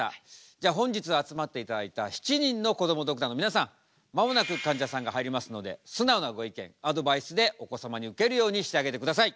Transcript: じゃあ本日集まっていただいた７人のこどもドクターの皆さん間もなくかんじゃさんが入りますので素直なご意見アドバイスでお子様にウケるようにしてあげてください。